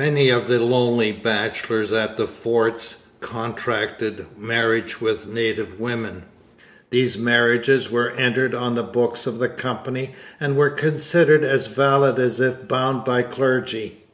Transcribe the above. Many of the lonely bachelors at the forts contracted marriage with native women. These marriages were entered on the books of the Company, and were considered as valid as if bound by clergy.